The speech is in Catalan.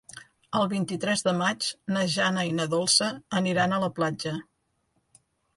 El vint-i-tres de maig na Jana i na Dolça aniran a la platja.